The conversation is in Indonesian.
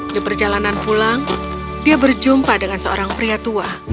di perjalanan pulang dia berjumpa dengan seorang pria tua